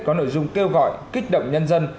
có nội dung kêu gọi kích động nhân dân